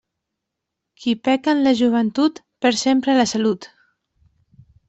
Qui peca en la joventut, perd per sempre la salut.